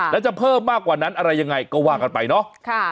แล้วจะเพิ่มมากกว่านั้นอะไรยังไงก็ว่ากันไปเนาะ